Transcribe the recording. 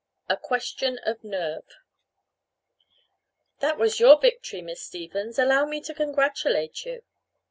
A QUESTION OF NERVE "That was your victory, Miss Stevens. Allow me to congratulate you."